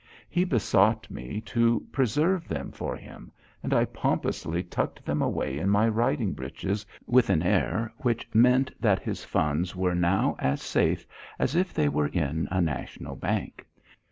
He besought me to preserve them for him, and I pompously tucked them away in my riding breeches, with an air which meant that his funds were now as safe as if they were in a national bank.